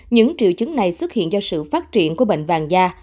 những triệu chứng này xuất hiện do sự phát triển của bệnh vàng da